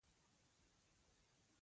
هڅه د نظم د دوام تضمین کوي.